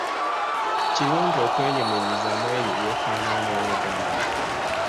Kirungi okwenyumiririza mu ebyo by’ofaanana n’owooluganda lwo.